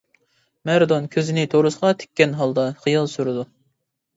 مەردان كۆزىنى تورۇسقا تىككەن ھالدا خىيال سۈرىدۇ.